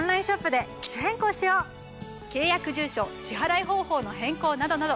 契約住所支払い方法の変更などなど。